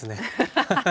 ハハハハ。